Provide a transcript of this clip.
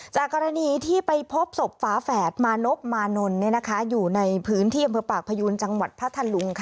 กรณีที่ไปพบศพฝาแฝดมานพมานนอยู่ในพื้นที่อำเภอปากพยูนจังหวัดพัทธลุง